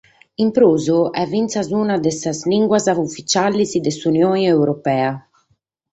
In prus, est finas una de sas limbas ufitziales de s’Unione Europea.